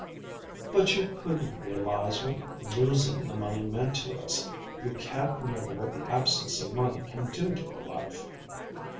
"But you couldn't realize what losing the money meant to us. You can't know what the absence of money can do to a life."